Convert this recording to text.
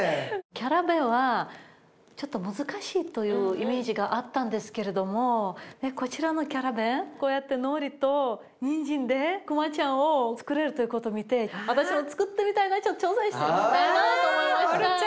キャラベンはちょっと難しいというイメージがあったんですけれどもこちらのキャラベンこうやってのりとにんじんでくまちゃんをつくれるということを見て私もつくってみたいな挑戦してみたいなと思いました。